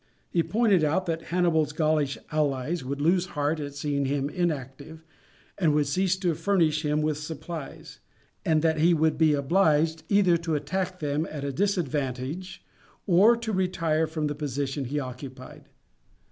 He pointed out that Hannibal's Gaulish allies would lose heart at seeing him inactive, and would cease to furnish him with supplies, and that he would be obliged either to attack them at a disadvantage or to retire from the position he occupied.